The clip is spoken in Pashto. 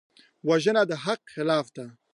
وژنه د حق خلاف ده